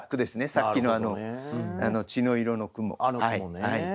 さっきの「血の色」の句も。